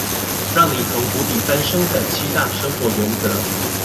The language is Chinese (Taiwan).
讓你從谷底翻身的七大生活原則